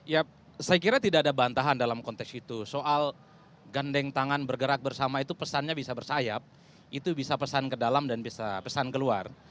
ya saya kira tidak ada bantahan dalam konteks itu soal gandeng tangan bergerak bersama itu pesannya bisa bersayap itu bisa pesan ke dalam dan bisa pesan keluar